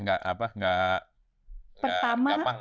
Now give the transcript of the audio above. gak gampang gitu ya